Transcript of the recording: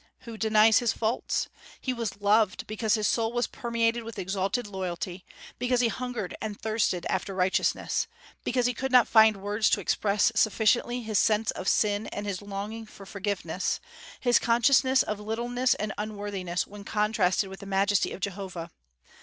Who denies his faults? He was loved because his soul was permeated with exalted loyalty, because he hungered and thirsted after righteousness, because he could not find words to express sufficiently his sense of sin and his longing for forgiveness, his consciousness of littleness and unworthiness when contrasted with the majesty of Jehovah.